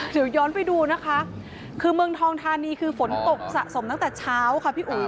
เดี๋ยวย้อนไปดูนะคะคือเมืองทองทานีคือฝนตกสะสมตั้งแต่เช้าค่ะพี่อุ๋ย